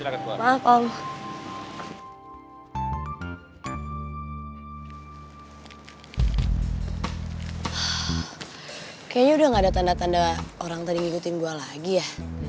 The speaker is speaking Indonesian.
kayaknya udah gak ada tanda tanda orang tadi ngikutin gue lagi ya